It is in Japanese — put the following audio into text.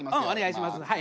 お願いします。